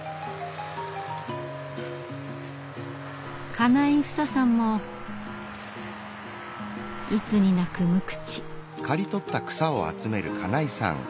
金井ふささんもいつになく無口。